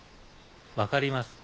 分かります